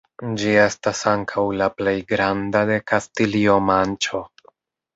Ĝi estas ankaŭ la plej granda de Kastilio-Manĉo.